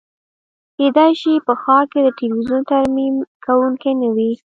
کیدای شي په ښار کې د تلویزیون ترمیم کونکی نه وي